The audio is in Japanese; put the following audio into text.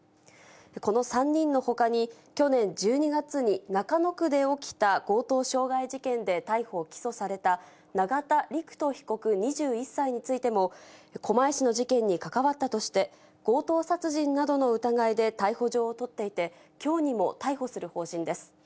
この３人のほかに、去年１２月に中野区で起きた、強盗傷害事件で逮捕・起訴された、永田陸人被告２１歳についても、狛江市の事件に関わったとして、強盗殺人などの疑いで逮捕状を取っていて、きょうにも逮捕する方針です。